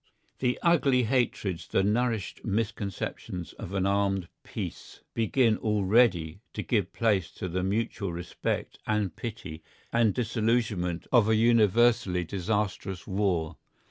The ugly hatreds, the nourished misconceptions of an armed peace, begin already to give place to the mutual respect and pity and disillusionment of a universally disastrous war.